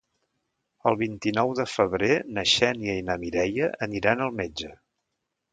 El vint-i-nou de febrer na Xènia i na Mireia aniran al metge.